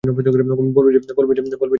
বলব যে ভাই ভালো মানুষ?